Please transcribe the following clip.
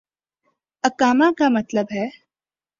اقامہ کا مطلب ہے۔